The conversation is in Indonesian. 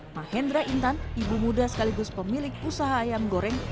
mahendra intan ibu muda sekaligus pemilik usaha ayam goreng